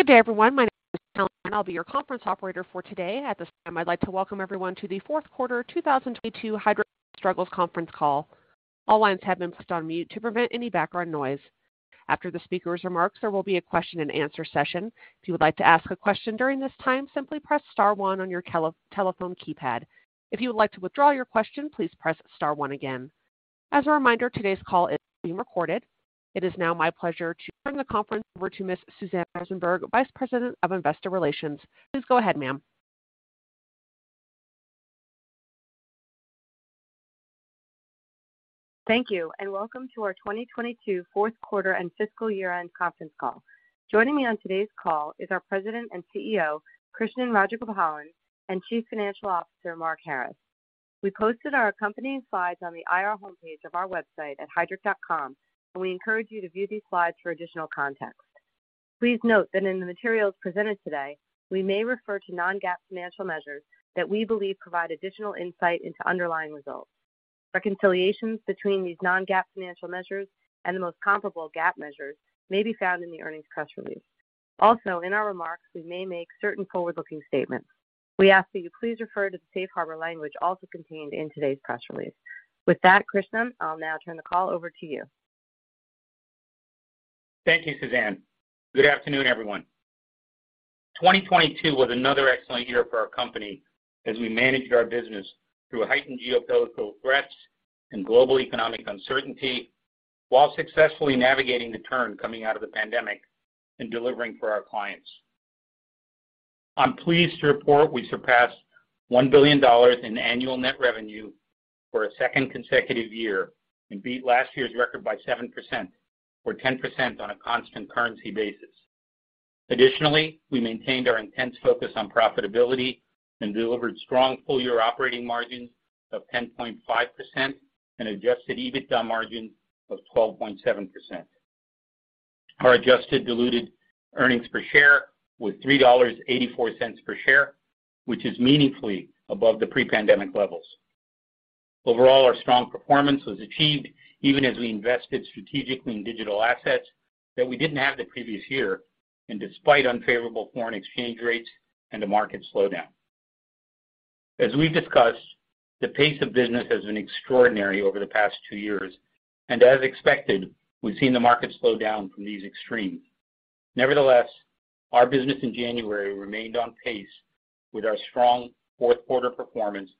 Good day, everyone. My name is Helen. I'll be your conference operator for today. At this time, I'd like to welcome everyone to the fourth quarter 2022 Heidrick & Struggles conference call. All lines have been put on mute to prevent any background noise. After the speaker's remarks, there will be a question and answer session. If you would like to ask a question during this time, simply press star one on your telephone keypad. If you would like to withdraw your question, please press star one again. As a reminder, today's call is being recorded. It is now my pleasure to turn the conference over to Miss Suzanne Rosenberg, Vice President of Investor Relations. Please go ahead, ma'am. Thank you, and welcome to our 2022 fourth quarter and fiscal year-end conference call. Joining me on today's call is our President and CEO, Krishnan Rajagopalan, and Chief Financial Officer, Mark Harris. We posted our accompanying slides on the IR homepage of our website at heidrick.com, and we encourage you to view these slides for additional context. Please note that in the materials presented today, we may refer to non-GAAP financial measures that we believe provide additional insight into underlying results. Reconciliations between these non-GAAP financial measures and the most comparable GAAP measures may be found in the earnings press release. Also, in our remarks, we may make certain forward-looking statements. We ask that you please refer to the safe harbor language also contained in today's press release. With that, Krishnan, I'll now turn the call over to you. Thank you, Suzanne. Good afternoon, everyone. 2022 was another excellent year for our company as we managed our business through heightened geopolitical threats and global economic uncertainty while successfully navigating the turn coming out of the pandemic and delivering for our clients. I'm pleased to report we surpassed $1 billion in annual net revenue for a second consecutive year and beat last year's record by 7% or 10% on a constant currency basis. We maintained our intense focus on profitability and delivered strong full-year operating margins of 10.5% and adjusted EBITDA margin of 12.7%. Our adjusted diluted earnings per share was $3.84 per share, which is meaningfully above the pre-pandemic levels. Overall, our strong performance was achieved even as we invested strategically in digital assets that we didn't have the previous year and despite unfavorable foreign exchange rates and a market slowdown. As we've discussed, the pace of business has been extraordinary over the past two years, and as expected, we've seen the market slow down from these extremes. Nevertheless, our business in January remained on pace with our strong fourth quarter performance,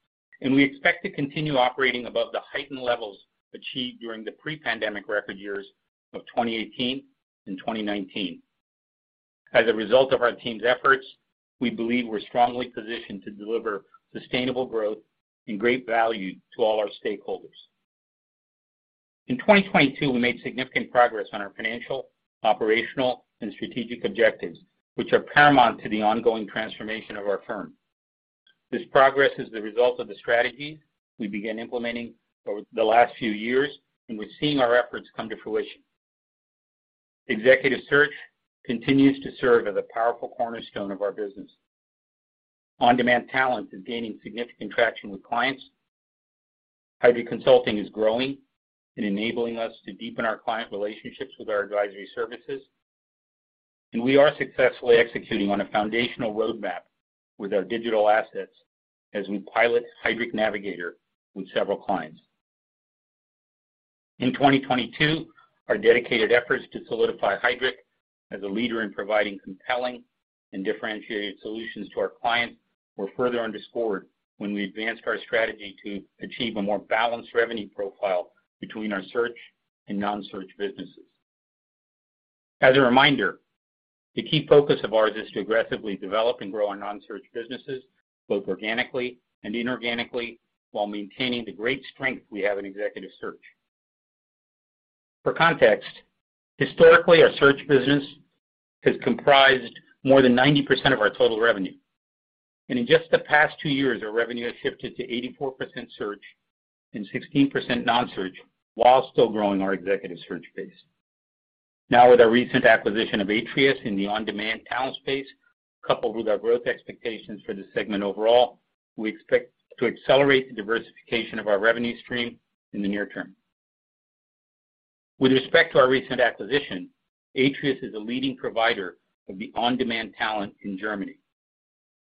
and we expect to continue operating above the heightened levels achieved during the pre-pandemic record years of 2018 and 2019. As a result of our team's efforts, we believe we're strongly positioned to deliver sustainable growth and great value to all our stakeholders. In 2022, we made significant progress on our financial, operational, and strategic objectives, which are paramount to the ongoing transformation of our firm. This progress is the result of the strategies we began implementing over the last few years, and we're seeing our efforts come to fruition. Executive Search continues to serve as a powerful cornerstone of our business. On-demand talent is gaining significant traction with clients. Heidrick Consulting is growing and enabling us to deepen our client relationships with our advisory services. We are successfully executing on a foundational roadmap with our digital assets as we pilot Heidrick Navigator with several clients. In 2022, our dedicated efforts to solidify Heidrick as a leader in providing compelling and differentiated solutions to our clients were further underscored when we advanced our strategy to achieve a more balanced revenue profile between our search and non-search businesses. As a reminder, the key focus of ours is to aggressively develop and grow our non-search businesses, both organically and inorganically, while maintaining the great strength we have in Executive Search. For context, historically, our search business has comprised more than 90% of our total revenue. In just the past two years, our revenue has shifted to 84% search and 16% non-search while still growing our Executive Search base. Now, with our recent acquisition of Atreus in the on-demand talent space, coupled with our growth expectations for this segment overall, we expect to accelerate the diversification of our revenue stream in the near term. With respect to our recent acquisition, Atreus is a leading provider of the on-demand talent in Germany,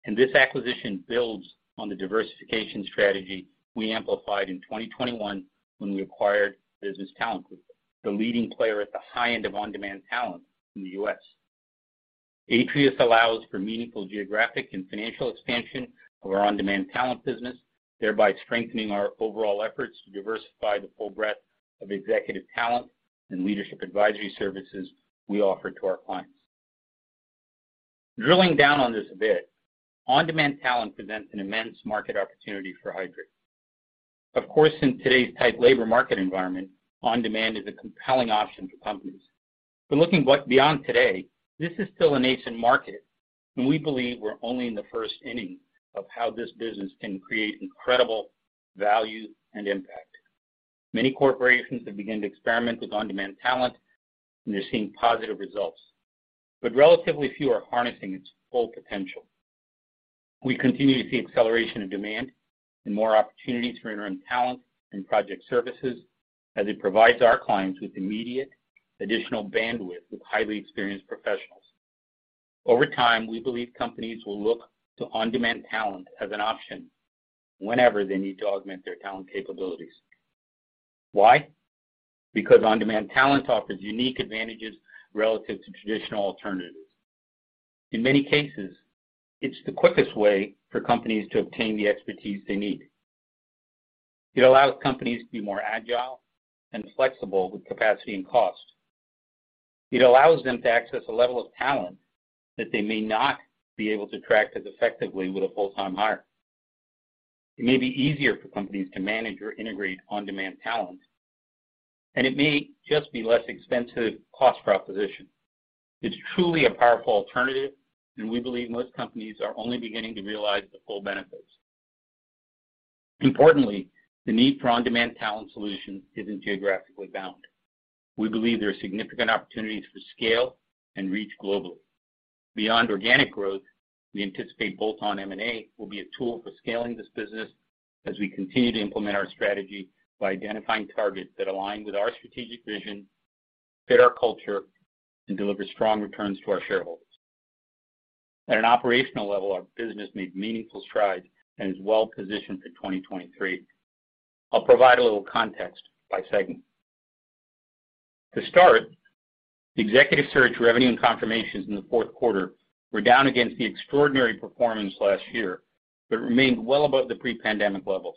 and this acquisition builds on the diversification strategy we amplified in 2021 when we acquired Business Talent Group, the leading player at the high end of on-demand talent in the U.S. Atreus allows for meaningful geographic and financial expansion of our on-demand talent business, thereby strengthening our overall efforts to diversify the full breadth of executive talent and leadership advisory services we offer to our clients. Drilling down on this a bit, on-demand talent presents an immense market opportunity for Heidrick. Of course, in today's tight labor market environment, on-demand is a compelling option for companies. Looking beyond today, this is still a nascent market, and we believe we're only in the first inning of how this business can create incredible value and impact. Many corporations have begun to experiment with on-demand talent, and they're seeing positive results, but relatively few are harnessing its full potential. We continue to see acceleration of demand and more opportunities for interim talent and project services as it provides our clients with immediate additional bandwidth with highly experienced professionals. Over time, we believe companies will look to on-demand talent as an option whenever they need to augment their talent capabilities. Why? On-demand talent offers unique advantages relative to traditional alternatives. In many cases, it's the quickest way for companies to obtain the expertise they need. It allows companies to be more agile and flexible with capacity and cost. It allows them to access a level of talent that they may not be able to attract as effectively with a full-time hire. It may be easier for companies to manage or integrate on-demand talent, and it may just be less expensive cost proposition. It's truly a powerful alternative, and we believe most companies are only beginning to realize the full benefits. Importantly, the need for on-demand talent solutions isn't geographically bound. We believe there are significant opportunities for scale and reach globally. Beyond organic growth, we anticipate bolt-on M&A will be a tool for scaling this business as we continue to implement our strategy by identifying targets that align with our strategic vision, fit our culture, and deliver strong returns to our shareholders. At an operational level, our business made meaningful strides and is well positioned for 2023. I'll provide a little context by segment. To start, Executive Search revenue and confirmations in the fourth quarter were down against the extraordinary performance last year, but remained well above the pre-pandemic levels.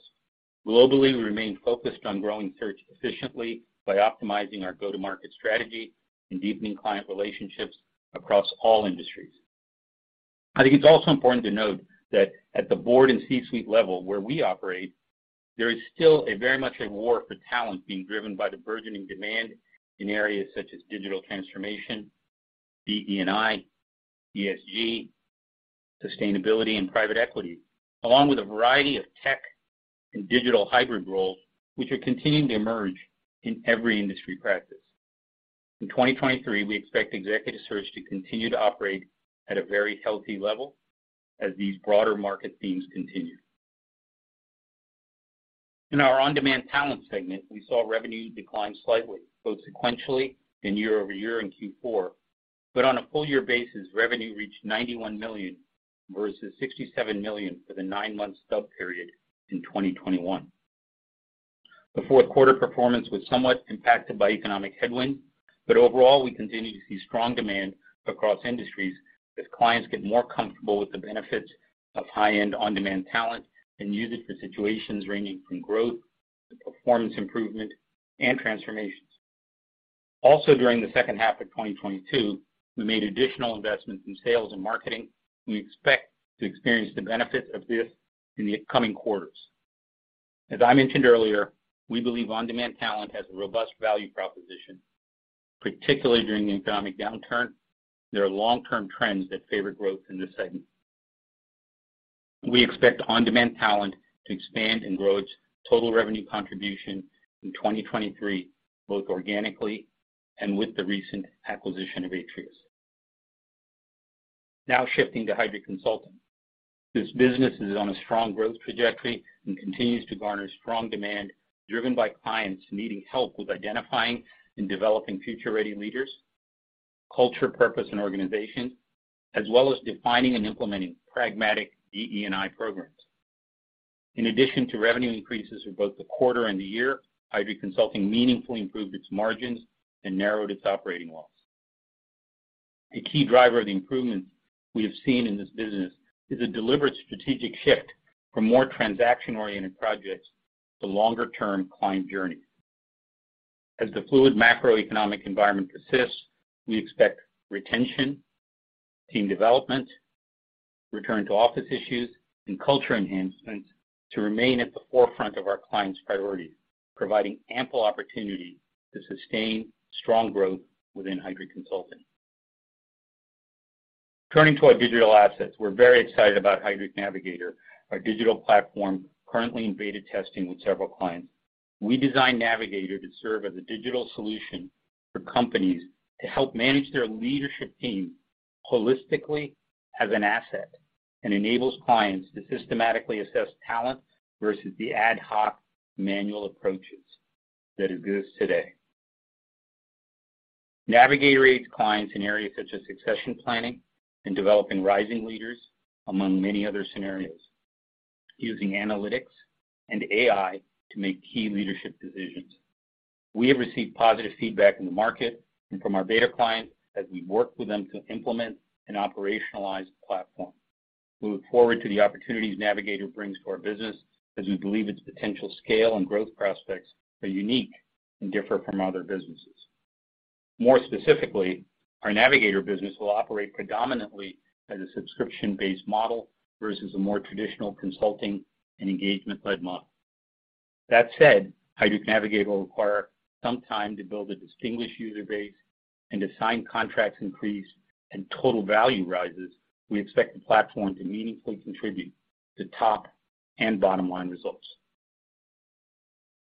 Globally, we remain focused on growing search efficiently by optimizing our go-to-market strategy and deepening client relationships across all industries. I think it's also important to note that at the board and C-suite level where we operate, there is still very much a war for talent being driven by the burgeoning demand in areas such as digital transformation, DE&I, ESG, sustainability, and private equity, along with a variety of tech and digital hybrid roles which are continuing to emerge in every industry practice. In 2023, we expect Executive Search to continue to operate at a very healthy level as these broader market themes continue. In our On-Demand talent segment, we saw revenue decline slightly, both sequentially and year-over-year in Q4. On a full-year basis, revenue reached $91 million versus $67 million for the nine-month stub period in 2021. The fourth quarter performance was somewhat impacted by economic headwind, overall, we continue to see strong demand across industries as clients get more comfortable with the benefits of high-end on-demand talent and use it for situations ranging from growth to performance improvement and transformations. During the second half of 2022, we made additional investments in sales and marketing, we expect to experience the benefits of this in the coming quarters. As I mentioned earlier, we believe on-demand talent has a robust value proposition, particularly during the economic downturn. There are long-term trends that favor growth in this segment. We expect on-demand talent to expand and grow its total revenue contribution in 2023, both organically and with the recent acquisition of Atreus. Shifting to Heidrick Consulting. This business is on a strong growth trajectory and continues to garner strong demand driven by clients needing help with identifying and developing future-ready leaders, culture, purpose, and organization, as well as defining and implementing pragmatic DE&I programs. In addition to revenue increases in both the quarter and the year, Heidrick Consulting meaningfully improved its margins and narrowed its operating loss. A key driver of the improvement we have seen in this business is a deliberate strategic shift from more transaction-oriented projects to longer-term client journeys. As the fluid macroeconomic environment persists, we expect retention, team development, return to office issues, and culture enhancements to remain at the forefront of our clients' priorities, providing ample opportunity to sustain strong growth within Heidrick Consulting. Turning to our digital assets, we're very excited about Heidrick Navigator, our digital platform currently in beta testing with several clients. We designed Navigator to serve as a digital solution for companies to help manage their leadership team holistically as an asset, and enables clients to systematically assess talent versus the ad hoc manual approaches that exist today. Navigator aids clients in areas such as succession planning and developing rising leaders, among many other scenarios, using analytics and AI to make key leadership decisions. We have received positive feedback in the market and from our beta clients as we work with them to implement and operationalize the platform. We look forward to the opportunities Navigator brings to our business as we believe its potential scale and growth prospects are unique and differ from other businesses. More specifically, our Navigator business will operate predominantly as a subscription-based model versus a more traditional consulting and engagement-led model. That said, Heidrick Navigator will require some time to build a distinguished user base and to sign contracts increase and total value rises. We expect the platform to meaningfully contribute to top and bottom line results.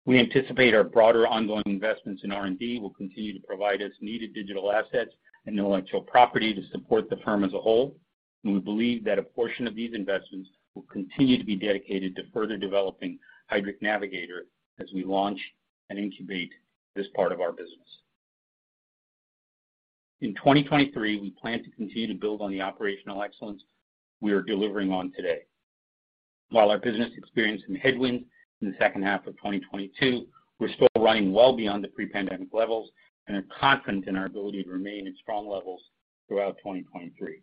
We anticipate our broader ongoing investments in R&D will continue to provide us needed digital assets and intellectual property to support the firm as a whole. We believe that a portion of these investments will continue to be dedicated to further developing Heidrick Navigator as we launch and incubate this part of our business. In 2023, we plan to continue to build on the operational excellence we are delivering on today. While our business experienced some headwinds in the second half of 2022, we're still running well beyond the pre-pandemic levels and are confident in our ability to remain at strong levels throughout 2023.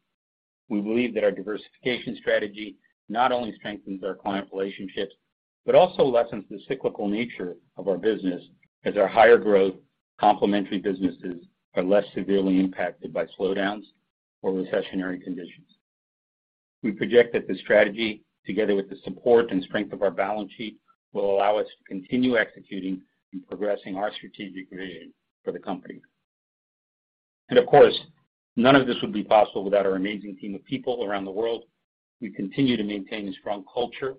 We believe that our diversification strategy not only strengthens our client relationships, but also lessens the cyclical nature of our business as our higher growth, complementary businesses are less severely impacted by slowdowns or recessionary conditions. We project that the strategy, together with the support and strength of our balance sheet, will allow us to continue executing and progressing our strategic vision for the company. Of course, none of this would be possible without our amazing team of people around the world. We continue to maintain a strong culture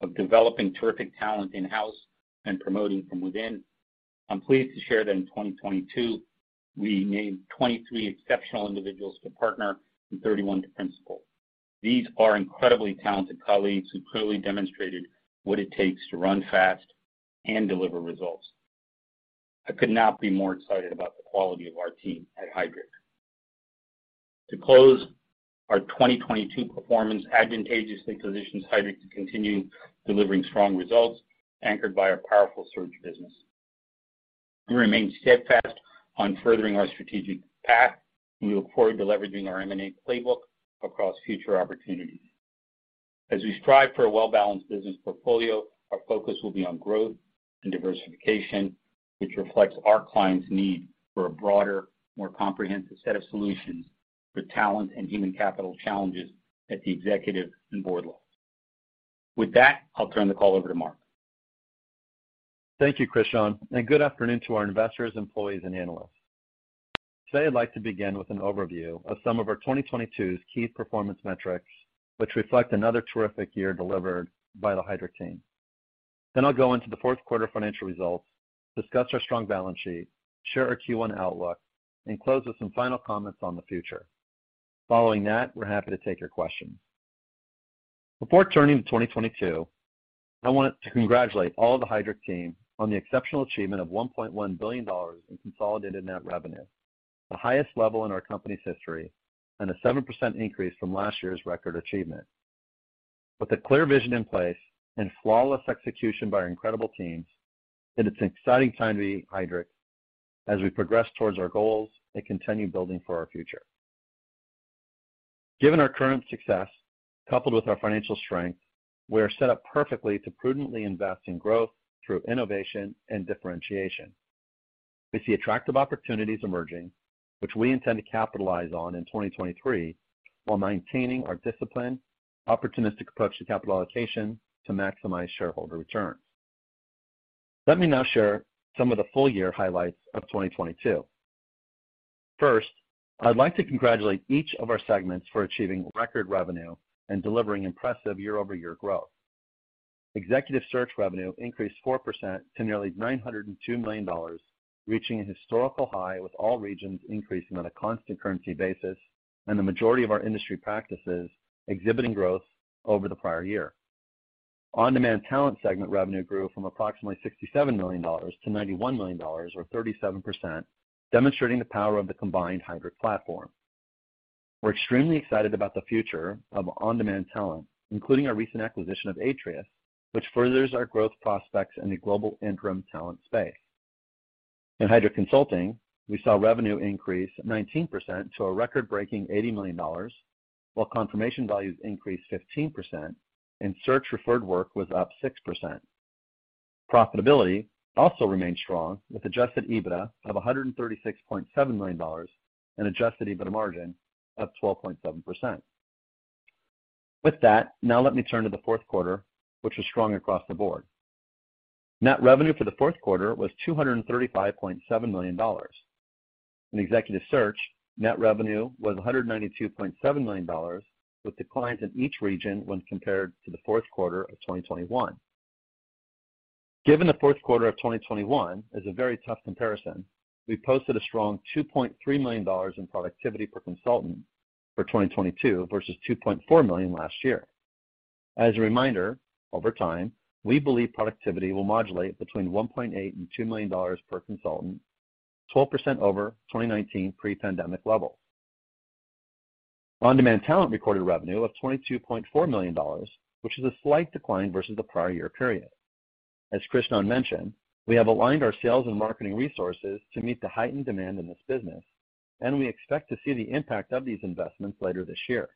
of developing terrific talent in-house and promoting from within. I'm pleased to share that in 2022 we named 23 exceptional individuals to partner and 31 to principal. These are incredibly talented colleagues who clearly demonstrated what it takes to run fast and deliver results. I could not be more excited about the quality of our team at Heidrick. To close, our 2022 performance advantageously positions Heidrick to continue delivering strong results anchored by our powerful search business. We remain steadfast on furthering our strategic path. We look forward to leveraging our M&A playbook across future opportunities. As we strive for a well-balanced business portfolio, our focus will be on growth and diversification, which reflects our clients' need for a broader, more comprehensive set of solutions for talent and human capital challenges at the executive and board level. With that, I'll turn the call over to Mark. Thank you, Krishnan. Good afternoon to our investors, employees and analysts. Today, I'd like to begin with an overview of some of our 2022's key performance metrics, which reflect another terrific year delivered by the Heidrick team. I'll go into the fourth quarter financial results, discuss our strong balance sheet, share our Q1 outlook, and close with some final comments on the future. Following that, we're happy to take your questions. Before turning to 2022, I want to congratulate all of the Heidrick team on the exceptional achievement of $1.1 billion in consolidated net revenue, the highest level in our company's history, and a 7% increase from last year's record achievement. With a clear vision in place and flawless execution by our incredible teams, it is an exciting time to be at Heidrick as we progress towards our goals and continue building for our future. Given our current success, coupled with our financial strength, we are set up perfectly to prudently invest in growth through innovation and differentiation. We see attractive opportunities emerging, which we intend to capitalize on in 2023, while maintaining our disciplined, opportunistic approach to capital allocation to maximize shareholder returns. Let me now share some of the full-year highlights of 2022. First, I'd like to congratulate each of our segments for achieving record revenue and delivering impressive year-over-year growth. Executive Search revenue increased 4% to nearly $902 million, reaching a historical high with all regions increasing on a constant currency basis and the majority of our industry practices exhibiting growth over the prior year. On-demand talent segment revenue grew from approximately $67 million-$91 million, or 37%, demonstrating the power of the combined Heidrick platform. We're extremely excited about the future of on-demand talent, including our recent acquisition of Atreus, which furthers our growth prospects in the global interim talent space. In Heidrick Consulting, we saw revenue increase 19% to a record-breaking $80 million, while confirmation values increased 15% and search-referred work was up 6%. Profitability also remained strong with adjusted EBITDA of $136.7 million and adjusted EBITDA margin of 12.7%. Now let me turn to the fourth quarter, which was strong across the board. Net revenue for the fourth quarter was $235.7 million. In Executive Search, net revenue was $192.7 million, with declines in each region when compared to the fourth quarter of 2021. Given the fourth quarter of 2021 is a very tough comparison, we posted a strong $2.3 million in productivity per consultant for 2022 versus $2.4 million last year. As a reminder, over time, we believe productivity will modulate between $1.8 million and $2 million per consultant, 12% over 2019 pre-pandemic levels. On-demand talent recorded revenue of $22.4 million, which is a slight decline versus the prior year period. As Krishnan mentioned, we have aligned our sales and marketing resources to meet the heightened demand in this business, and we expect to see the impact of these investments later this year.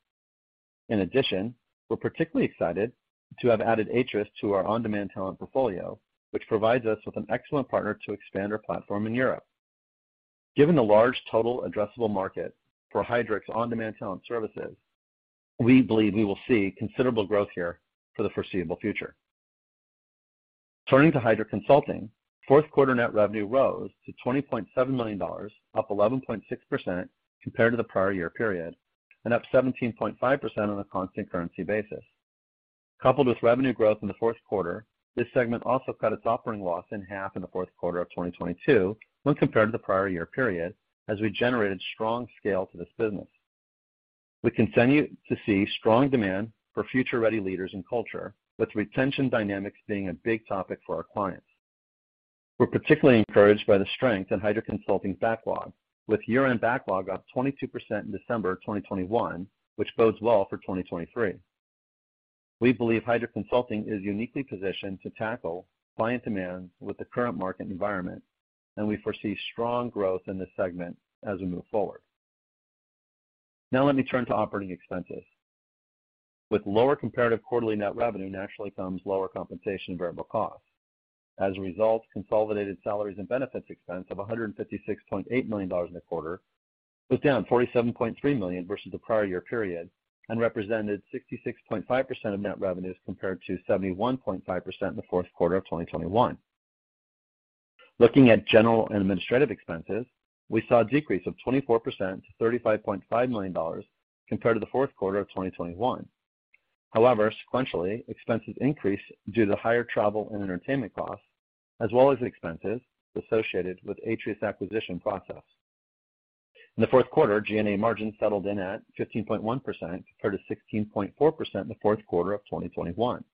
In addition, we're particularly excited to have added Atreus to our on-demand talent portfolio, which provides us with an excellent partner to expand our platform in Europe. Given the large total addressable market for Heidrick's on-demand talent services, we believe we will see considerable growth here for the foreseeable future. Turning to Heidrick Consulting, fourth quarter net revenue rose to $20.7 million, up 11.6% compared to the prior year period. Up 17.5% on a constant currency basis. Coupled with revenue growth in the fourth quarter, this segment also cut its operating loss in half in the fourth quarter of 2022 when compared to the prior year period as we generated strong scale to this business. We continue to see strong demand for future-ready leaders and culture, with retention dynamics being a big topic for our clients. We're particularly encouraged by the strength in Heidrick Consulting backlog, with year-end backlog up 22% in December 2021, which bodes well for 2023. We believe Heidrick Consulting is uniquely positioned to tackle client demand with the current market environment. We foresee strong growth in this segment as we move forward. Let me turn to operating expenses. With lower comparative quarterly net revenue naturally comes lower compensation variable costs. Consolidated salaries and benefits expense of $156.8 million in the quarter was down $47.3 million versus the prior year period and represented 66.5% of net revenues compared to 71.5% in the fourth quarter of 2021. Looking at general and administrative expenses, we saw a decrease of 24% to $35.5 million compared to the fourth quarter of 2021. Sequentially, expenses increased due to higher travel and entertainment costs, as well as expenses associated with Atreus acquisition process. In the fourth quarter, G&A margin settled in at 15.1% compared to 16.4% in the fourth quarter of 2021.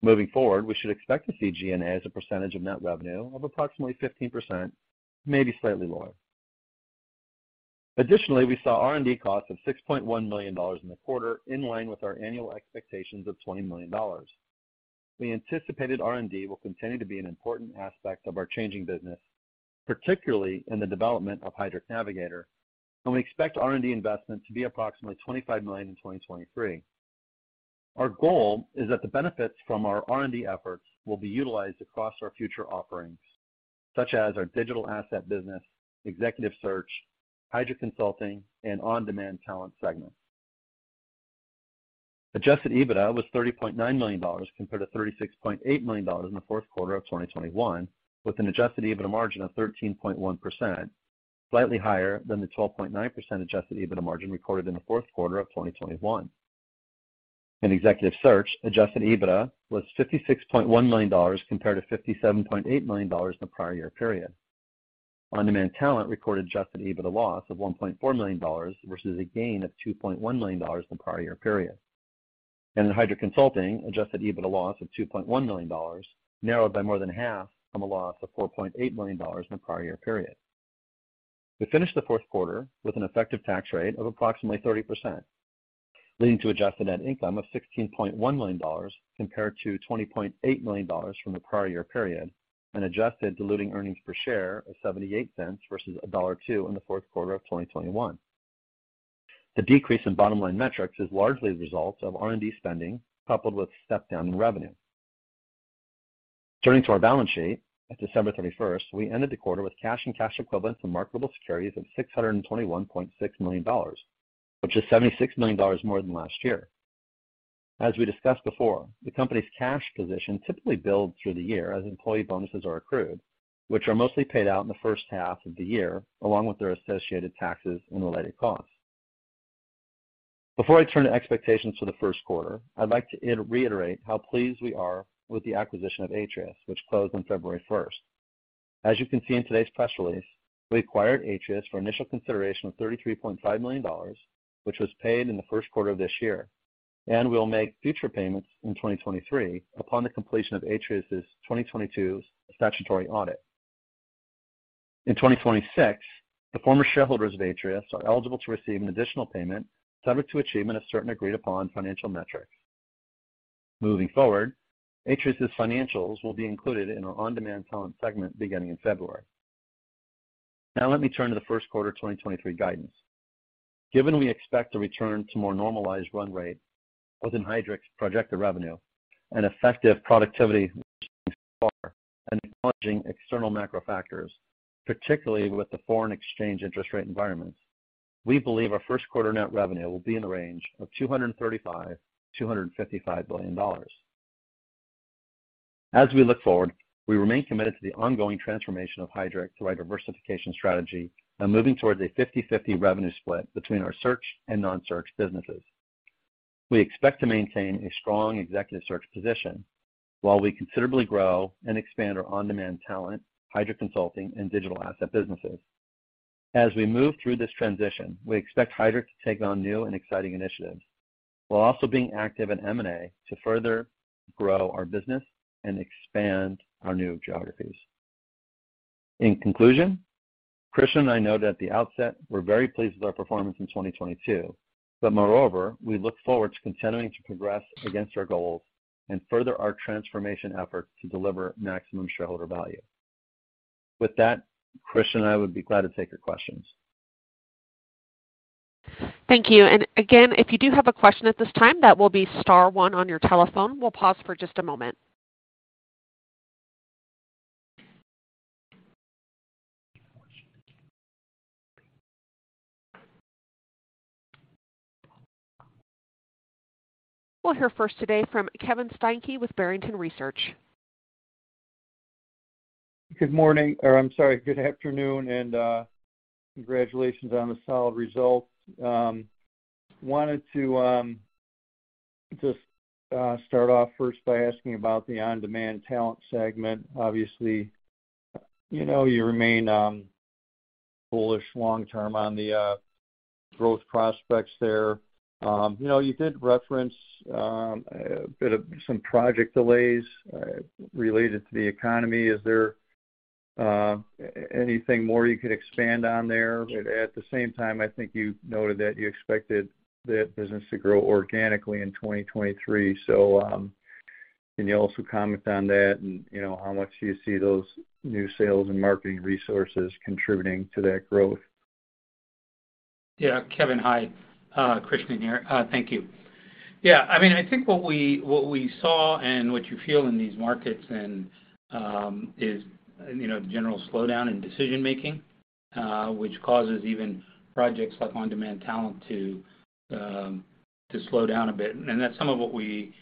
Moving forward, we should expect to see G&A as a percentage of net revenue of approximately 15%, maybe slightly lower. Additionally, we saw R&D costs of $6.1 million in the quarter, in line with our annual expectations of $20 million. We anticipated R&D will continue to be an important aspect of our changing business, particularly in the development of Heidrick Navigator, and we expect R&D investment to be approximately $25 million in 2023. Our goal is that the benefits from our R&D efforts will be utilized across our future offerings, such as our digital asset business, Executive Search, Heidrick Consulting, and on-demand talent segment. Adjusted EBITDA was $30.9 million compared to $36.8 million in the fourth quarter of 2021, with an adjusted EBITDA margin of 13.1%, slightly higher than the 12.9% adjusted EBITDA margin recorded in the fourth quarter of 2021. In Executive Search, adjusted EBITDA was $56.1 million compared to $57.8 million in the prior year period. On-demand talent recorded adjusted EBITDA loss of $1.4 million versus a gain of $2.1 million in the prior year period. In Heidrick Consulting, adjusted EBITDA loss of $2.1 million, narrowed by more than half from a loss of $4.8 million in the prior year period. We finished the fourth quarter with an effective tax rate of approximately 30%, leading to adjusted net income of $16.1 million compared to $20.8 million from the prior year period, and adjusted diluting earnings per share of $0.78 versus $1.02 in the fourth quarter of 2021. The decrease in bottom line metrics is largely the result of R&D spending coupled with step down in revenue. Turning to our balance sheet, at December 31st, we ended the quarter with cash and cash equivalents and marketable securities of $621.6 million, which is $76 million more than last year. As we discussed before, the company's cash position typically builds through the year as employee bonuses are accrued, which are mostly paid out in the first half of the year, along with their associated taxes and related costs. Before I turn to expectations for the first quarter, I'd like to reiterate how pleased we are with the acquisition of Atreus, which closed on February 1st. As you can see in today's press release, we acquired Atreus for initial consideration of $33.5 million, which was paid in the first quarter of this year. We'll make future payments in 2023 upon the completion of Atreus's 2022's statutory audit. In 2026, the former shareholders of Atreus are eligible to receive an additional payment subject to achievement of certain agreed upon financial metrics. Moving forward, Atreus' financials will be included in our on-demand talent segment beginning in February. Let me turn to the first quarter 2023 guidance. Given we expect a return to more normalized run rate within Heidrick's projected revenue and effective productivity and acknowledging external macro factors, particularly with the foreign exchange interest rate environment, we believe our first quarter net revenue will be in the range of $235 million-$255 million. As we look forward, we remain committed to the ongoing transformation of Heidrick through our diversification strategy and moving towards a 50/50 revenue split between our search and non-search businesses. We expect to maintain a strong Executive Search position while we considerably grow and expand our on-demand talent, Heidrick Consulting, and digital asset businesses. As we move through this transition, we expect Heidrick to take on new and exciting initiatives, while also being active in M&A to further grow our business and expand our new geographies. In conclusion, Krishnan and I know that at the outset we're very pleased with our performance in 2022, but moreover, we look forward to continuing to progress against our goals and further our transformation efforts to deliver maximum shareholder value. With that, Krishnan and I would be glad to take your questions. Thank you. Again, if you do have a question at this time, that will be star one on your telephone. We'll pause for just a moment. We'll hear first today from Kevin Steinke with Barrington Research Good morning, or I'm sorry, good afternoon. Congratulations on the solid results. Wanted to just start off first by asking about the on-demand talent segment. Obviously, you know, you remain bullish long term on the growth prospects there. You know, you did reference a bit of some project delays related to the economy. Is there anything more you could expand on there? At the same time, I think you noted that you expected that business to grow organically in 2023. Can you also comment on that and, you know, how much do you see those new sales and marketing resources contributing to that growth? Yeah. Kevin, hi, Krishnan here. Thank you. Yeah. I mean, I think what we, what we saw and what you feel in these markets and, is, you know, the general slowdown in decision-making, which causes even projects like on-demand talent to slow down a bit. That's some of what we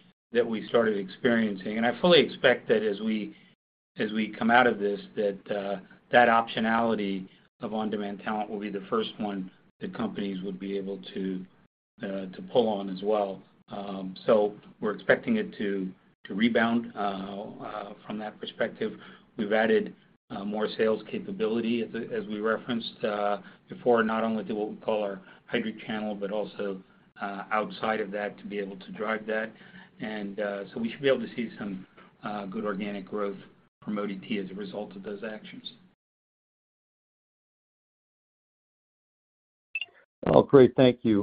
started experiencing. I fully expect that as we, as we come out of this, that optionality of on-demand talent will be the first one that companies would be able to pull on as well. We're expecting it to rebound from that perspective. We've added more sales capability as we referenced before, not only to what we call our hybrid channel, but also outside of that to be able to drive that. We should be able to see some good organic growth from OT as a result of those actions. Great. Thank you.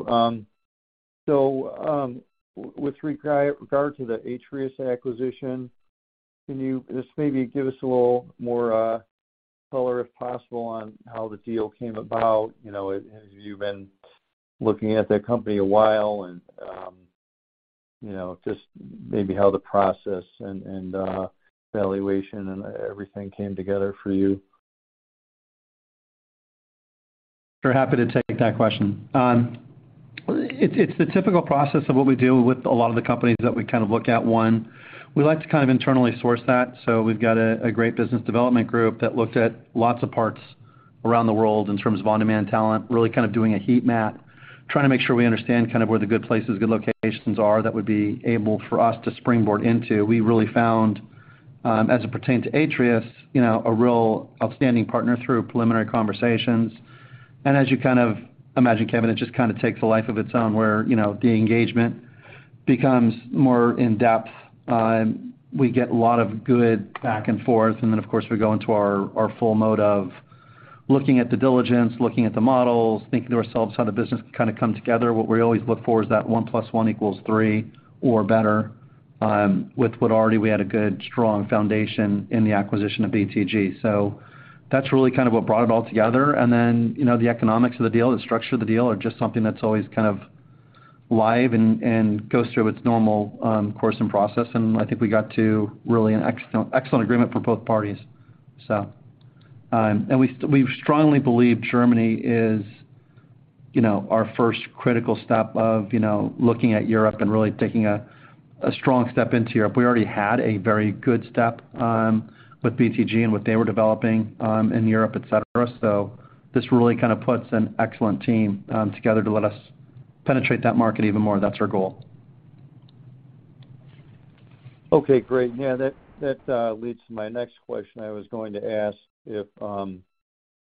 With regard to the Atreus acquisition, can you just maybe give us a little more color, if possible, on how the deal came about? You know, have you been looking at that company a while and, you know, just maybe how the process and, valuation and everything came together for you? Sure. Happy to take that question. It's the typical process of what we do with a lot of the companies that we kind of look at. One, we like to kind of internally source that. We've got a great business development group that looked at lots of parts around the world in terms of on-demand talent, really kind of doing a heat map, trying to make sure we understand kind of where the good places, good locations are that would be able for us to springboard into. We really found, as it pertains to Atreus, you know, a real outstanding partner through preliminary conversations. As you kind of imagine, Kevin, it just kind of takes a life of its own where, you know, the engagement becomes more in-depth. We get a lot of good back and forth, then, of course, we go into our full mode of looking at due diligence, looking at the models, thinking to ourselves how the business can kind of come together. What we always look for is that 1+1 equals three or better, with what already we had a good strong foundation in the acquisition of BTG. That's really kind of what brought it all together. Then, you know, the economics of the deal, the structure of the deal are just something that's always kind of live and goes through its normal course and process. I think we got to really an excellent agreement for both parties. And we strongly believe Germany is, you know, our first critical step of, you know, looking at Europe and really taking a strong step into Europe. We already had a very good step with BTG and what they were developing in Europe, et cetera. This really kind of puts an excellent team together to let us penetrate that market even more. That's our goal. Okay, great. Yeah, that leads to my next question. I was going to ask if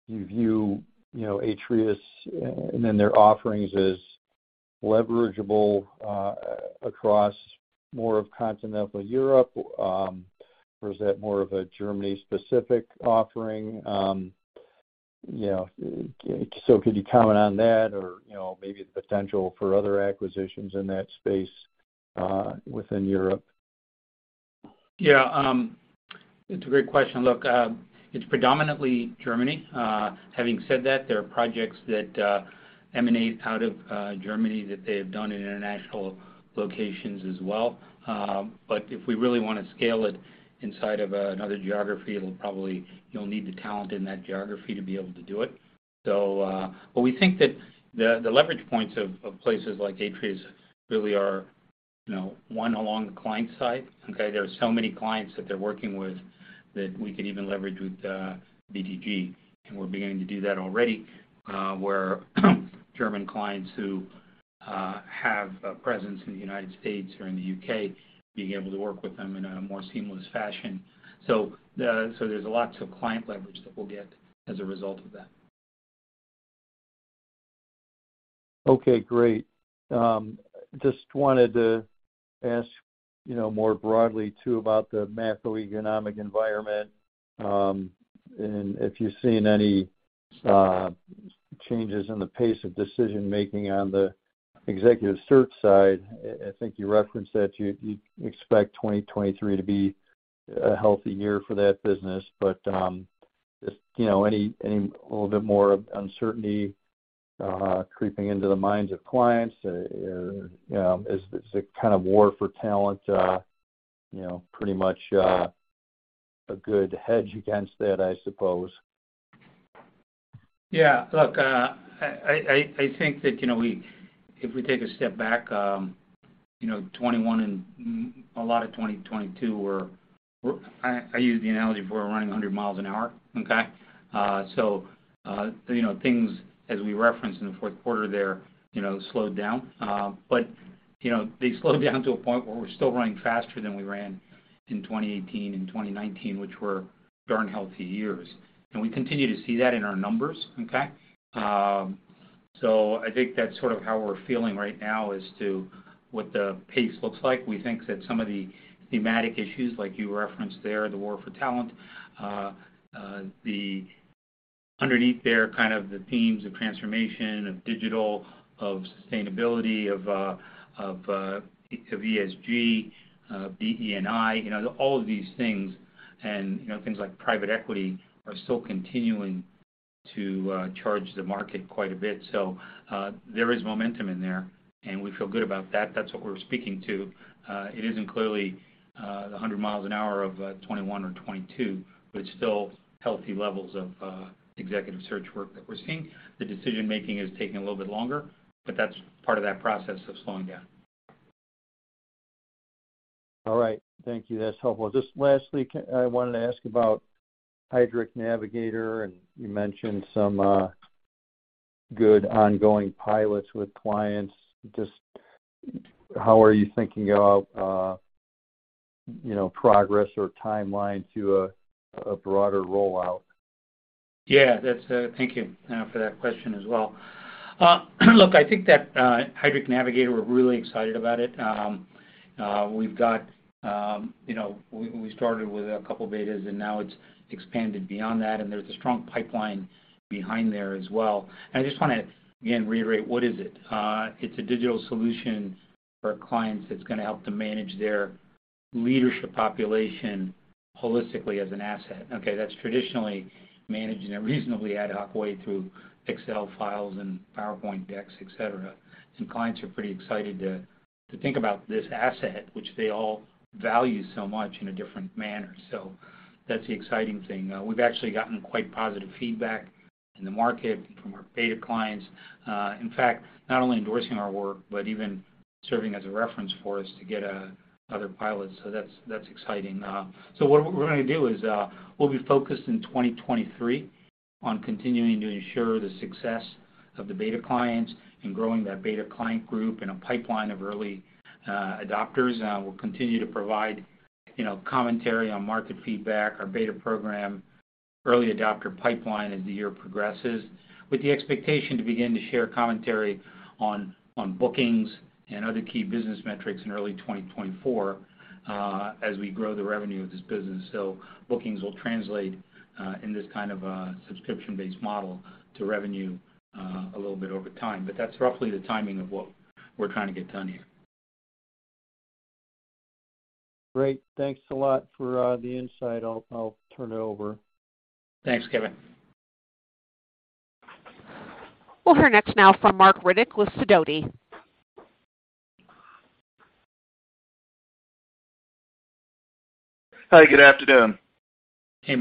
you view, you know, Atreus and then their offerings as leverageable across more of continental Europe, or is that more of a Germany-specific offering? You know, so could you comment on that or, you know, maybe the potential for other acquisitions in that space within Europe? Yeah. It's a great question. Look, it's predominantly Germany. Having said that, there are projects that emanate out of Germany that they have done in international locations as well. If we really wanna scale it inside of another geography, you'll need the talent in that geography to be able to do it. We think that the leverage points of places like Atreus really are, you know, one along the client side, okay? There are so many clients that they're working with that we can even leverage with BTG, and we're beginning to do that already, where German clients who have a presence in the United States or in the UK, being able to work with them in a more seamless fashion. There's lots of client leverage that we'll get as a result of that. Okay, great. Just wanted to ask, you know, more broadly too about the macroeconomic environment, and if you've seen any changes in the pace of decision-making on the Executive Search side. I think you referenced that you expect 2023 to be a healthy year for that business. Just, you know, any a little bit more of uncertainty creeping into the minds of clients? You know, is this a kind of war for talent? You know, pretty much a good hedge against that, I suppose. Yeah. Look, I think that, you know, if we take a step back, you know, 2021 and a lot of 2022 were I use the analogy we're running 100 miles an hour. Okay? You know, things as we referenced in the fourth quarter there, you know, slowed down. You know, they slowed down to a point where we're still running faster than we ran in 2018 and 2019, which were darn healthy years. We continue to see that in our numbers. Okay? I think that's sort of how we're feeling right now as to what the pace looks like. We think that some of the thematic issues, like you referenced there, the war for talent, the underneath there kind of the themes of transformation, of digital, of sustainability, of ESG, DE&I, you know, all of these things and, you know, things like private equity are still continuing to charge the market quite a bit. There is momentum in there, and we feel good about that. That's what we're speaking to. It isn't clearly the 100 miles an hour of 2021 or 2022, but still healthy levels of Executive Search work that we're seeing. The decision-making is taking a little bit longer, but that's part of that process of slowing down. All right. Thank you. That's helpful. Just lastly, I wanted to ask about Heidrick Navigator, and you mentioned some good ongoing pilots with clients. Just how are you thinking about, you know, progress or timeline to a broader rollout? Yeah, that's. Thank you for that question as well. Look, I think that Heidrick Navigator, we're really excited about it. We've got, you know, we started with a couple betas, and now it's expanded beyond that, and there's a strong pipeline behind there as well. I just wanna, again, reiterate what is it. It's a digital solution for clients that's gonna help them manage their leadership population holistically as an asset. Okay, that's traditionally managed in a reasonably ad hoc way through Excel files and PowerPoint decks, et cetera. Some clients are pretty excited to think about this asset, which they all value so much in a different manner. That's the exciting thing. We've actually gotten quite positive feedback in the market from our beta clients, in fact, not only endorsing our work but even serving as a reference for us to get other pilots. That's exciting. What we're gonna do is, we'll be focused in 2023 on continuing to ensure the success of the beta clients and growing that beta client group in a pipeline of early adopters. We'll continue to provide, you know, commentary on market feedback, our beta program, early adopter pipeline as the year progresses, with the expectation to begin to share commentary on bookings and other key business metrics in early 2024 as we grow the revenue of this business. Bookings will translate in this kind of a subscription-based model to revenue a little bit over time. That's roughly the timing of what we're trying to get done here. Great. Thanks a lot for the insight. I'll turn it over. Thanks, Kevin. We'll hear next now from Marc Riddick with Sidoti. Hi. Good afternoon. Hey,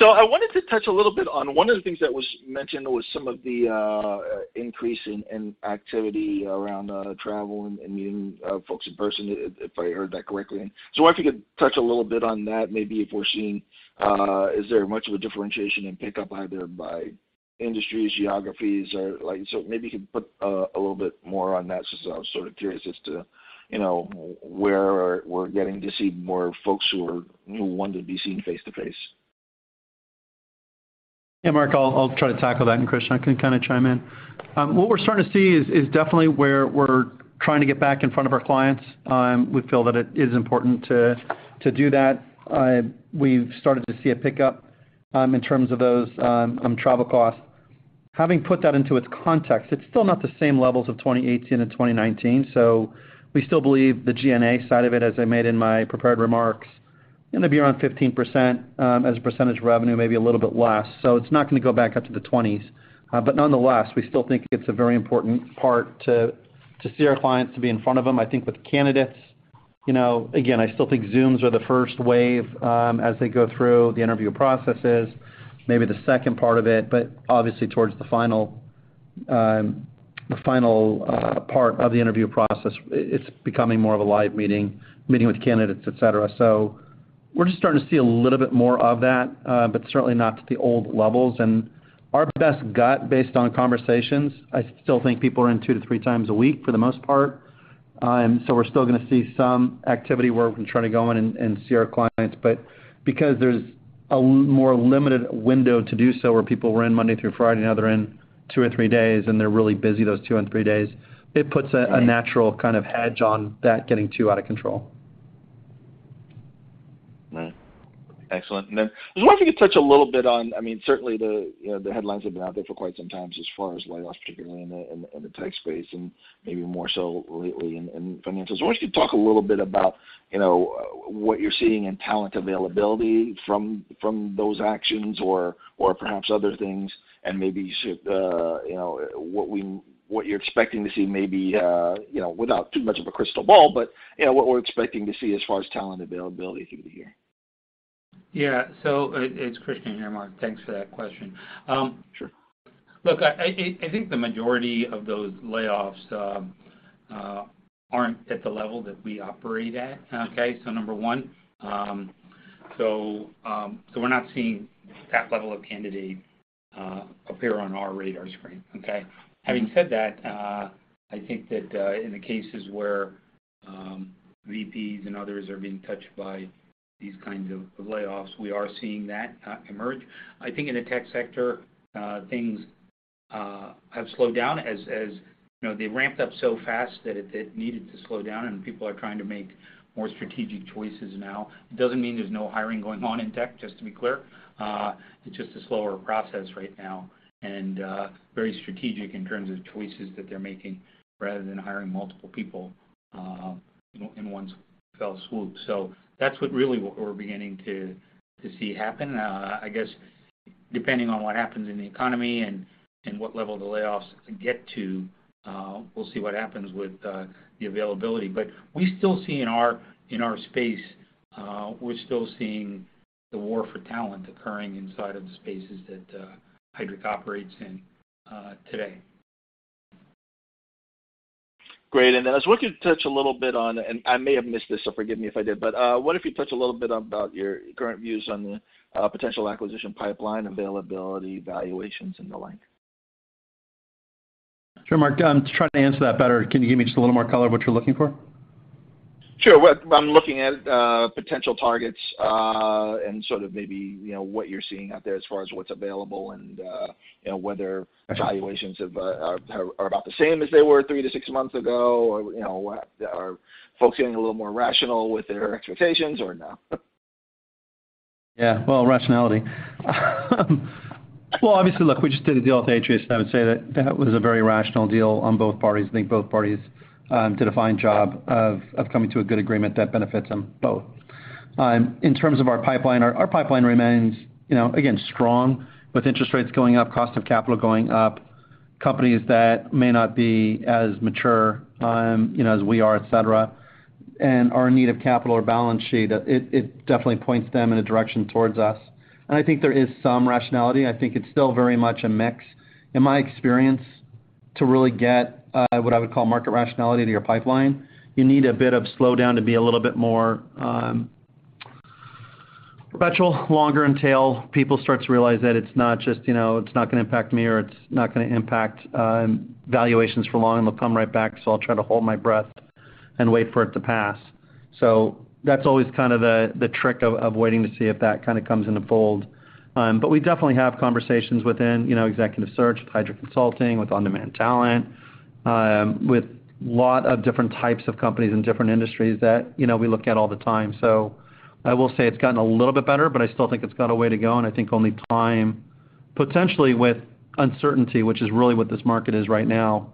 Marc. I wanted to touch a little bit on one of the things that was mentioned was some of the increase in activity around travel and meeting folks in person if I heard that correctly. I wonder if you could touch a little bit on that, maybe if we're seeing, is there much of a differentiation in pickup either by industries, geographies or like? Maybe you could put a little bit more on that since I was sort of curious as to, you know, where we're getting to see more folks who want to be seen face-to-face. Yeah, Marc, I'll try to tackle that, and Krishna can kinda chime in. What we're starting to see is definitely where we're trying to get back in front of our clients. We feel that it is important to do that. We've started to see a pickup in terms of those travel costs. Having put that into its context, it's still not the same levels of 2018 and 2019, so we still believe the G&A side of it, as I made in my prepared remarks, gonna be around 15% as a percentage of revenue, maybe a little bit less. It's not gonna go back up to the 20s. Nonetheless, we still think it's a very important part to see our clients, to be in front of them. I think with candidates, you know, again, I still think Zooms are the first wave, as they go through the interview processes, maybe the second part of it. Obviously towards the final, the final part of the interview process, it's becoming more of a live meeting with candidates, et cetera. We're just starting to see a little bit more of that, but certainly not to the old levels. Our best gut based on conversations, I still think people are in two to three times a week for the most part. We're still gonna see some activity where we can try to go in and see our clients, but because there's a more limited window to do so, where people were in Monday through Friday, now they're in two or three days, and they're really busy those two and three days, it puts a natural kind of hedge on that getting too out of control. Right. Excellent. I was wondering if you could touch a little bit on, I mean, certainly the, you know, the headlines have been out there for quite some times as far as layoffs, particularly in the tech space and maybe more so lately in financials. I wonder if you could talk a little bit about, you know, what you're seeing in talent availability from those actions or perhaps other things and maybe sort, you know, what you're expecting to see maybe, you know, without too much of a crystal ball, but, you know, what we're expecting to see as far as talent availability through the year. Yeah. It's Krishnan here, Marc. Thanks for that question. Sure. Look, I think the majority of those layoffs aren't at the level that we operate at, okay? Number one. We're not seeing that level of candidate appear on our radar screen, okay? Having said that, I think that in the cases where VPs and others are being touched by these kinds of layoffs, we are seeing that emerge. I think in the tech sector, things have slowed down as, you know, they ramped up so fast that it needed to slow down and people are trying to make more strategic choices now. It doesn't mean there's no hiring going on in tech, just to be clear. It's just a slower process right now and very strategic in terms of choices that they're making rather than hiring multiple people, you know, in one fell swoop. That's what really what we're beginning to see happen. I guess depending on what happens in the economy and what level the layoffs get to, we'll see what happens with the availability. We still see in our, in our space, we're still seeing the war for talent occurring inside of the spaces that Heidrick operates in today. Great. I was wondering if you could touch a little bit, and I may have missed this, so forgive me if I did. What if you touch a little bit about your current views on the potential acquisition pipeline availability, valuations and the like? Sure, Marc. To try to answer that better, can you give me just a little more color of what you're looking for? Sure. What I'm looking at, potential targets, and sort of maybe, you know, what you're seeing out there as far as what's available and, you know, whether valuations have, are about the same as they were three to six months ago, or, you know, are folks getting a little more rational with their expectations or no? Yeah. Well, rationality. Well, obviously, look, we just did a deal with Atreus, and I would say that that was a very rational deal on both parties. I think both parties did a fine job of coming to a good agreement that benefits them both. In terms of our pipeline, our pipeline remains, you know, again, strong with interest rates going up, cost of capital going up, companies that may not be as mature, you know, as we are, et cetera, and are in need of capital or balance sheet. It definitely points them in a direction towards us. I think there is some rationality. I think it's still very much a mix. In my experience, to really get what I would call market rationality to your pipeline, you need a bit of slowdown to be a little bit more special, longer in tail. People start to realize that it's not just, you know, it's not gonna impact me or it's not gonna impact valuations for long. It'll come right back. I'll try to hold my breath and wait for it to pass. That's always kind of the trick of waiting to see if that kinda comes into fold. We definitely have conversations within, you know, Executive Search, Heidrick Consulting, with on-demand talent, with lot of different types of companies in different industries that, you know, we look at all the time. I will say it's gotten a little bit better, but I still think it's got a way to go, and I think only time, potentially with uncertainty, which is really what this market is right now,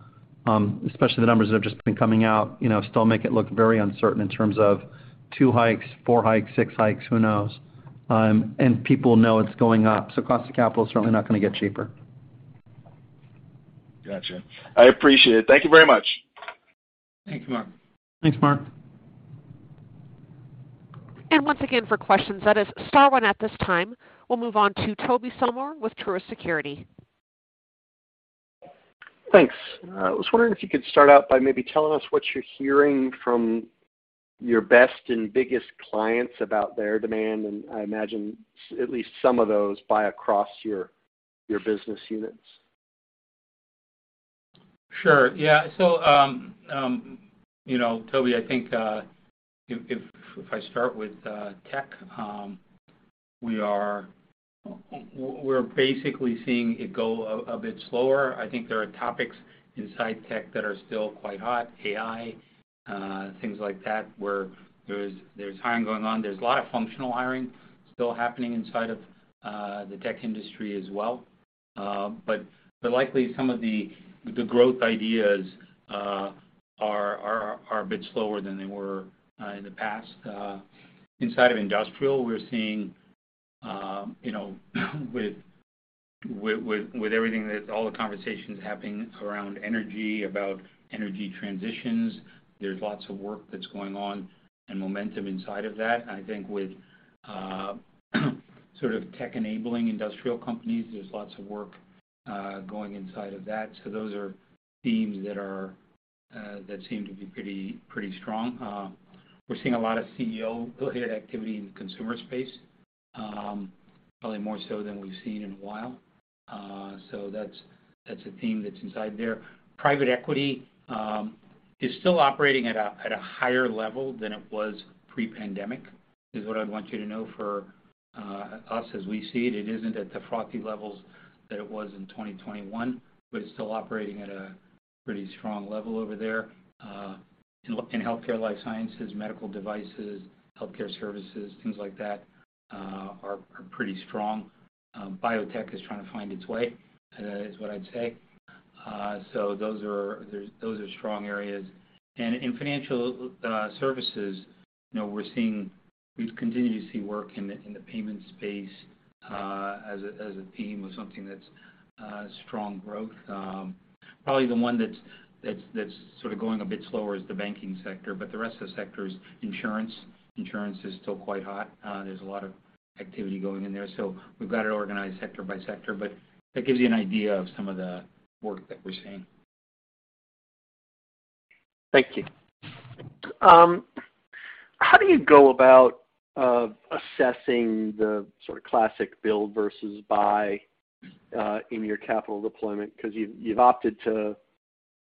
especially the numbers that have just been coming out, you know, still make it look very uncertain in terms of two hikes, four hikes, six hikes, who knows? People know it's going up, so cost of capital is certainly not gonna get cheaper. Gotcha. I appreciate it. Thank you very much. Thank you, Marc. Thanks, Marc. Once again, for questions, that is star one at this time. We'll move on to Tobey Sommer with Truist Securities. Thanks. I was wondering if you could start out by maybe telling us what you're hearing from your best and biggest clients about their demand, and I imagine at least some of those buy across your business units. Sure. Yeah. You know, Tobey, I think if I start with tech, we're basically seeing it go a bit slower. I think there are topics inside tech that are still quite hot, AI, things like that, where there's hiring going on. There's a lot of functional hiring still happening inside of the tech industry as well. Likely some of the growth ideas are a bit slower than they were in the past. Inside of industrial, we're seeing, you know, with everything that all the conversations happening around energy, about energy transitions, there's lots of work that's going on and momentum inside of that. I think with sort of tech enabling industrial companies, there's lots of work going inside of that. Those are themes that are that seem to be pretty strong. We're seeing a lot of CEO-related activity in the consumer space, probably more so than we've seen in a while. That's, that's a theme that's inside there. Private equity is still operating at a higher level than it was pre-pandemic, is what I'd want you to know for us as we see it. It isn't at the frothy levels that it was in 2021, but it's still operating at a pretty strong level over there. In healthcare life sciences, medical devices, healthcare services, things like that, are pretty strong. Biotech is trying to find its way, is what I'd say. Those are strong areas. In financial services, you know, we continue to see work in the payment space. As a team of something that's strong growth. Probably the one that's sort of going a bit slower is the banking sector, but the rest of the sector is insurance. Insurance is still quite hot. There's a lot of activity going in there. We've got it organized sector by sector, but that gives you an idea of some of the work that we're seeing. Thank you. How do you go about assessing the sort of classic build versus buy in your capital deployment? Cause you've opted to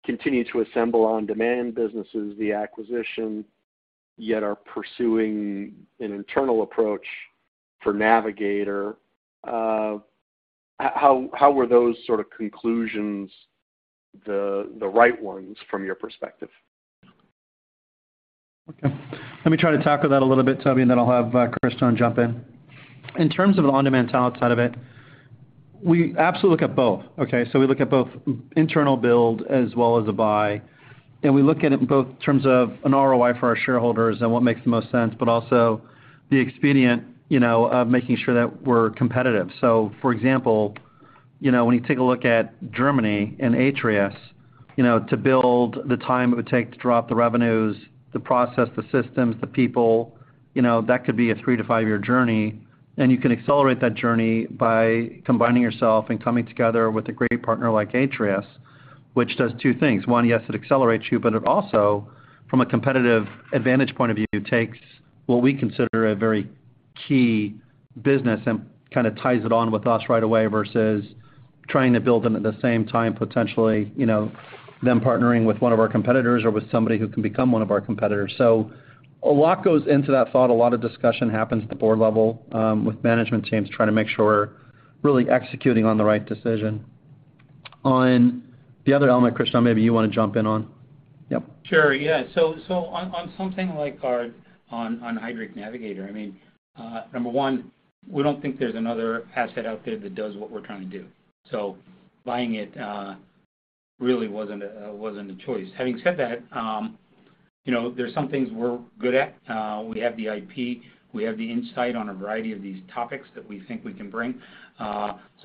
continue to assemble on-demand businesses via acquisition, yet are pursuing an internal approach for Navigator. How were those sort of conclusions the right ones from your perspective? Let me try to tackle that a little bit, Tobey, and then I'll have Krishnan jump in. In terms of the on-demand talent side of it, we absolutely look at both, okay? We look at both internal build as well as a buy, and we look at it both in terms of an ROI for our shareholders and what makes the most sense, but also the expedient, you know, of making sure that we're competitive. For example, you know, when you take a look at Germany and Atreus, you know, to build the time it would take to drop the revenues, the process, the systems, the people, you know, that could be a three to five-year journey. You can accelerate that journey by combining yourself and coming together with a great partner like Atreus, which does two things. One, yes, it accelerates you, but it also from a competitive advantage point of view, takes what we consider a very key business and kind of ties it on with us right away versus trying to build them at the same time, potentially, you know, them partnering with one of our competitors or with somebody who can become one of our competitors. A lot goes into that thought. A lot of discussion happens at the board level, with management teams trying to make sure we're really executing on the right decision. The other element, Krishnan, maybe you wanna jump in on. Yep. Sure. Yeah. On something like Heidrick Navigator, I mean, number one, we don't think there's another asset out there that does what we're trying to do. Buying it really wasn't a choice. Having said that, you know, there's some things we're good at. We have the IP, we have the insight on a variety of these topics that we think we can bring.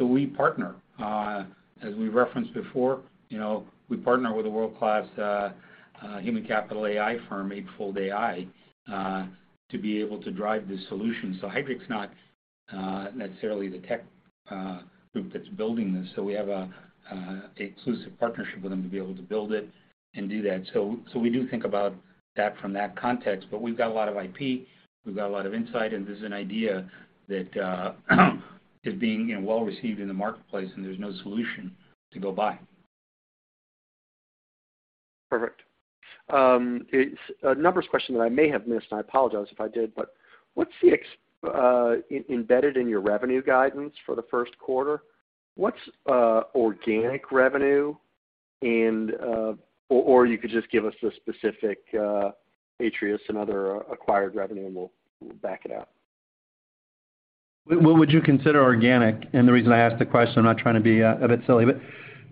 We partner, as we referenced before, you know, we partner with a world-class human capital AI firm, Eightfold AI, to be able to drive this solution. Heidrick's not necessarily the tech group that's building this. We have a exclusive partnership with them to be able to build it and do that. We do think about that from that context, but we've got a lot of IP, we've got a lot of insight, and this is an idea that is being, you know, well received in the marketplace, and there's no solution to go buy. Perfect. It's a numbers question that I may have missed, and I apologize if I did, but what's embedded in your revenue guidance for the first quarter? What's organic revenue or you could just give us the specific Atreus and other acquired revenue, and we'll back it out? What would you consider organic? The reason I ask the question, I'm not trying to be a bit silly, but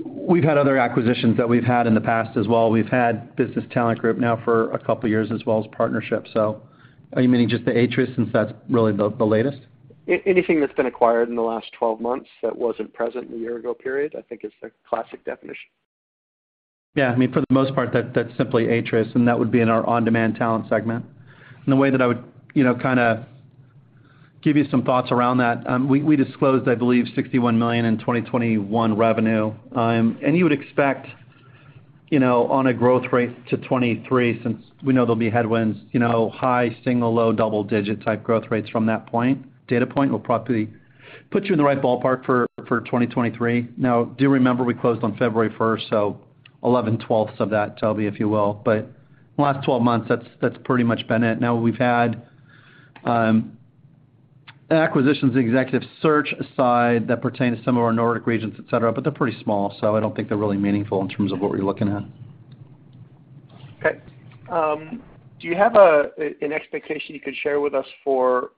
we've had other acquisitions that we've had in the past as well. We've had Business Talent Group now for a couple years as well as partnerships. Are you meaning just the Atreus since that's really the latest? Anything that's been acquired in the last 12 months that wasn't present in the year ago period, I think is the classic definition. Yeah. I mean, for the most part that's simply Atreus, and that would be in our on-demand talent segment. The way that I would, you know, kinda give you some thoughts around that, we disclosed, I believe, $61 million in 2021 revenue. You would expect, you know, on a growth rate to 2023, since we know there'll be headwinds, you know, high single low double-digit type growth rates from that point, data point will probably put you in the right ballpark for 2023. Do remember we closed on February first, so 11/12 of that, Tobey, if you will. The last 12 months, that's pretty much been it. We've had, acquisitions Executive Search side that pertain to some of our Nordic regions, et cetera, but they're pretty small, so I don't think they're really meaningful in terms of what we're looking at. Okay. Do you have an expectation you could share with us for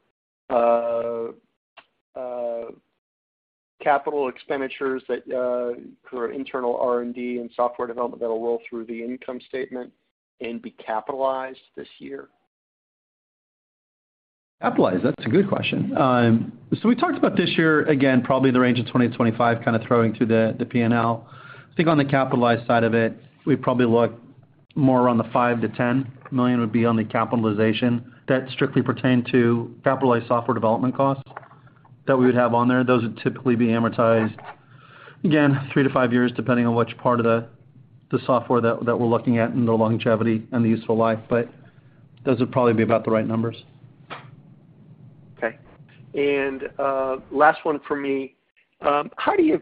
capital expenditures that for internal R&D and software development that'll roll through the income statement and be capitalized this year? Capitalized. That's a good question. We talked about this year, again, probably the range of $20 million-$25 million kinda throwing to the P&L. I think on the capitalized side of it, we probably look more around the $5 million-$10 million would be on the capitalization that strictly pertain to capitalized software development costs that we would have on there. Those would typically be amortized, again, three to five years, depending on which part of the software that we're looking at in the longevity and the useful life, but those would probably be about the right numbers. Okay. Last one for me. How do you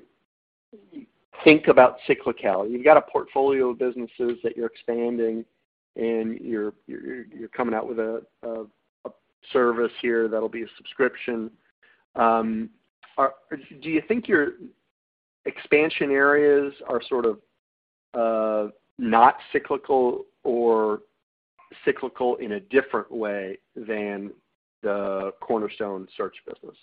think about cyclicality? You've got a portfolio of businesses that you're expanding and you're coming out with a service here that'll be a subscription. Do you think your expansion areas are sort of not cyclical or cyclical in a different way than the Cornerstone search business?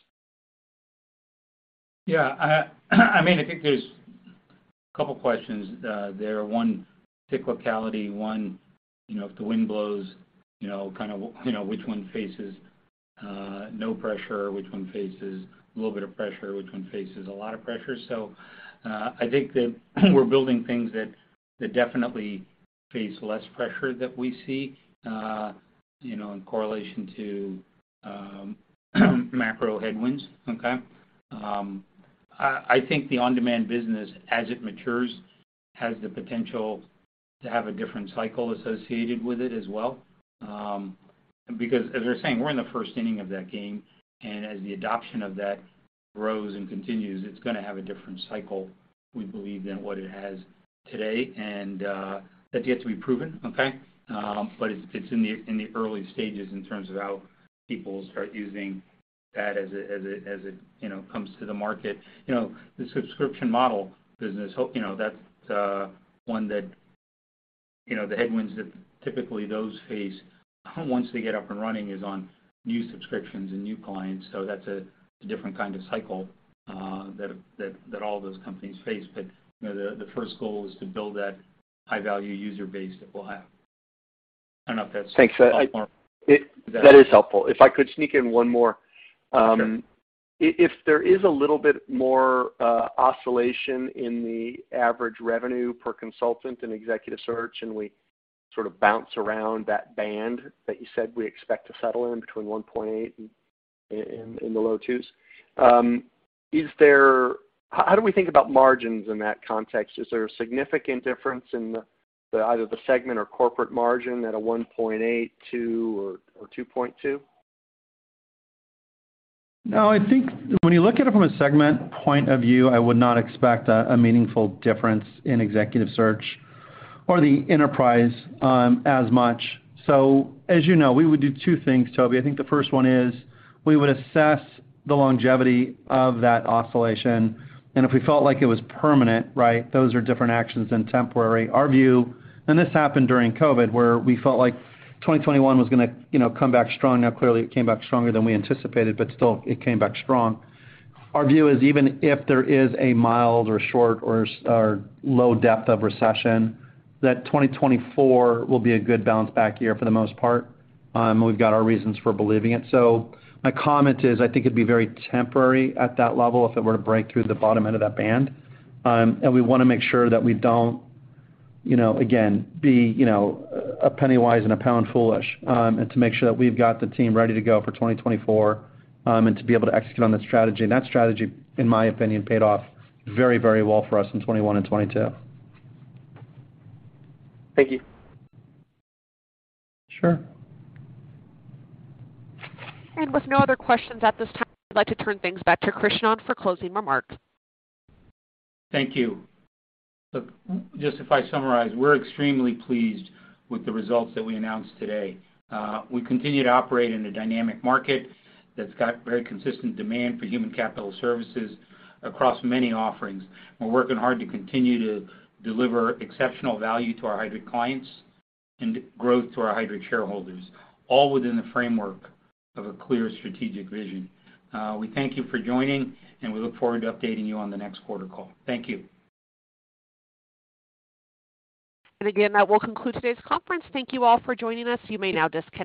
Yeah. I mean, I think there's a couple questions there. One cyclicality, one, you know, if the wind blows, you know, kind of, you know, which one faces no pressure, which one faces a little bit of pressure, which one faces a lot of pressure. I think that we're building things that definitely face less pressure that we see, you know, in correlation to macro headwinds. Okay? I think the on-demand business, as it matures, has the potential to have a different cycle associated with it as well. Because as we're saying, we're in the first inning of that game, and as the adoption of that grows and continues, it's gonna have a different cycle, we believe, than what it has today. That's yet to be proven, okay? It's, it's in the, in the early stages in terms of how people start using that as a, you know, comes to the market. You know, the subscription model business, you know, that's, one that, you know, the headwinds that typically those face once they get up and running is on new subscriptions and new clients. That's a, it's a different kind of cycle, that, that all those companies face. You know, the first goal is to build that high-value user base that we'll have. I don't know if that's helpful. Thanks. That is helpful. If I could sneak in one more. Sure. If there is a little bit more oscillation in the average revenue per consultant in Executive Search, and we sort of bounce around that band that you said we expect to settle in between $1.8 and in the low $2s. How do we think about margins in that context? Is there a significant difference in the either the segment or corporate margin at a $1.8, $2, or $2.2? No, I think when you look at it from a segment point of view, I would not expect a meaningful difference in Executive Search or the enterprise, as much. As you know, we would do two things, Tobey. I think the first one is we would assess the longevity of that oscillation, and if we felt like it was permanent, right, those are different actions than temporary. Our view. This happened during COVID, where we felt like 2021 was gonna, you know, come back strong. Now, clearly it came back stronger than we anticipated, but still, it came back strong. Our view is even if there is a mild or short or low depth of recession, that 2024 will be a good bounce back year for the most part, and we've got our reasons for believing it. My comment is, I think it'd be very temporary at that level if it were to break through the bottom end of that band. We wanna make sure that we don't, you know, again, be, you know, a penny wise and a pound foolish, to make sure that we've got the team ready to go for 2024, to be able to execute on that strategy. That strategy, in my opinion, paid off very, very well for us in 2021 and 2022. Thank you. Sure. With no other questions at this time, I'd like to turn things back to Krishnan for closing remarks. Thank you. Look, just if I summarize, we're extremely pleased with the results that we announced today. We continue to operate in a dynamic market that's got very consistent demand for human capital services across many offerings. We're working hard to continue to deliver exceptional value to our Heidrick clients and growth to our Heidrick shareholders, all within the framework of a clear strategic vision. We thank you for joining, and we look forward to updating you on the next quarter call. Thank you. Again, that will conclude today's conference. Thank you all for joining us. You may now disconnect.